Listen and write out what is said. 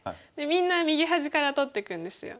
みんな右端から取っていくんですよ。